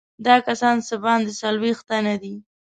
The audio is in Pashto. دا کسان څه باندې څلوېښت تنه دي.